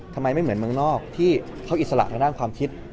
ทำไมไม่เหมือนเมืองนอกที่เขาอิสระทางด้านความคิด